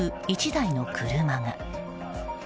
１台の車が。